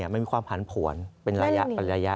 มันมีความผันผวนเป็นระยะ